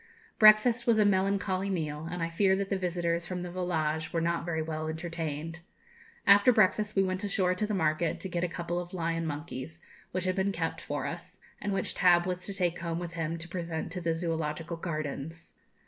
Breakfast was a melancholy meal, and I fear that the visitors from the 'Volage' were not very well entertained. After breakfast, we went ashore to the market, to get a couple of lion monkeys, which had been kept for us, and which Tab was to take home with him to present to the Zoological Gardens.